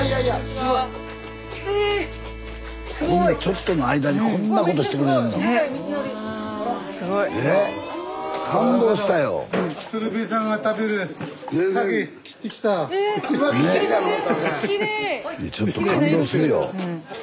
スタジオちょっと感動するよ。